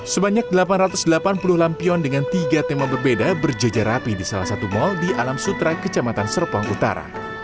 sebanyak delapan ratus delapan puluh lampion dengan tiga tema berbeda berjejer rapi di salah satu mal di alam sutra kecamatan serpong utara